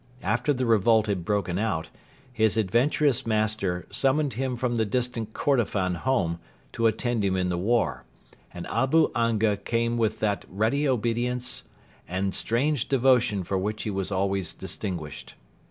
After the revolt had broken out, his adventurous master summoned him from the distant Kordofan home to attend him in the war, and Abu Anga came with that ready obedience and strange devotion for which he was always distinguished.